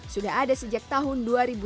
sudah ada sejak tahun dua ribu